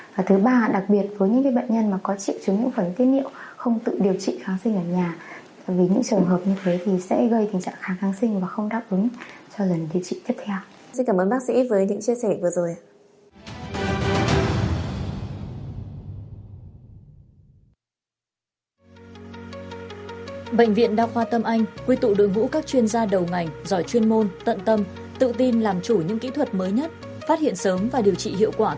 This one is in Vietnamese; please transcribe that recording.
và thứ ba là đặc biệt với những bệnh nhân có trị trứng nhiễm khuẩn tiết niệm không tự điều trị kháng sinh ở nhà